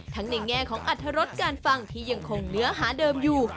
ในแง่ของอัธรสการฟังที่ยังคงเนื้อหาเดิมอยู่